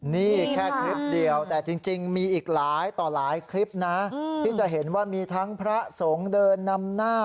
นี่แค่คลิปเดียวแต่จริงมีอีกหลายต่อหลายคลิปนะที่จะเห็นว่ามีทั้งพระสงฆ์เดินนำหน้า